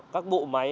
các bộ máy